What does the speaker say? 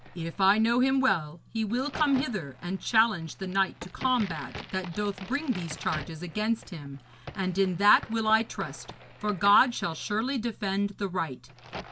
If I know him well, he will come hither and challenge the knight to combat that doth bring these charges against him, and in that will I trust, for God shall surely defend the right.